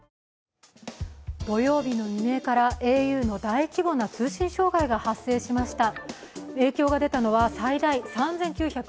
土曜日の未明からａｕの大規模な通信障害が発生しました。